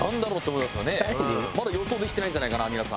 まだ予想できてないんじゃないかな皆さん。